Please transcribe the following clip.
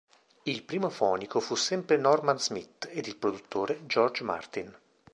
Il primo fonico fu sempre Norman Smith ed il produttore George Martin.